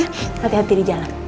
hati hati di jalan